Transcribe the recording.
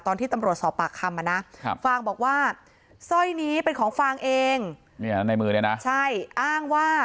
ตอนที่ตำรวจสอบปากคำอะนะฟางบอกว่า